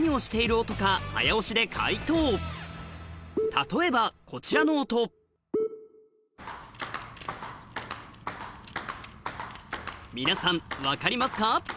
例えばこちらの音皆さん分かりますか？